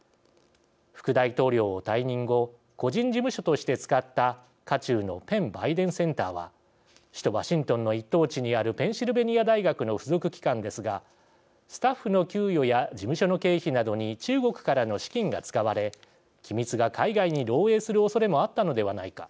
副大統領を退任後個人事務所として使った渦中のペン・バイデン・センターは首都ワシントンの一等地にあるペンシルベニア大学の付属機関ですがスタッフの給与や事務所の経費などに中国からの資金が使われ機密が海外に漏えいするおそれもあったのではないか。